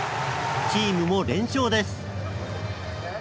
チームも連勝です。